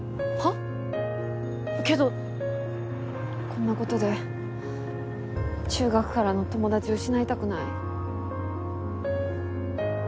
こんな事で中学からの友達を失いたくない。